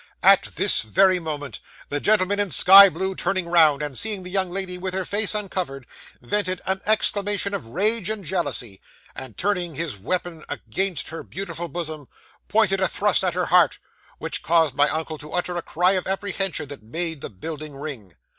'At this very moment, the gentleman in sky blue turning round, and seeing the young lady with her face uncovered, vented an exclamation of rage and jealousy, and, turning his weapon against her beautiful bosom, pointed a thrust at her heart, which caused my uncle to utter a cry of apprehension that made the building ring.